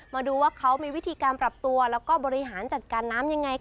มาดูว่าเขามีวิธีการปรับตัวแล้วก็บริหารจัดการน้ำยังไง